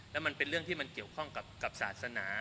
แล้วมันเป็นเรื่องที่มันเกี่ยวข้องกับศาสนา